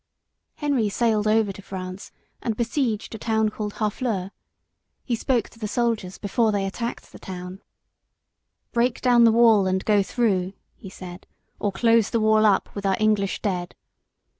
Henry sailed over to France and besieged a town called Harfleur. He spoke to the soldiers before they attacked the town. "Break down the wall and go through," he said, "or close the wall up with our English dead.